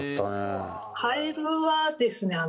カエルはですね